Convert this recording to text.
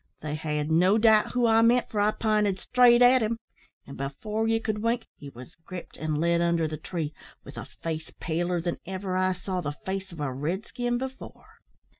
They had no doubt who I meant, for I pinted straight at him; and, before ye could wink, he was gripped, and led under the tree, with a face paler than ever I saw the face o' a red skin before.